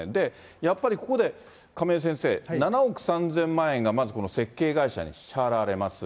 やっぱりここで、亀井先生、７億３０００万円がまずこの設計会社に支払われます。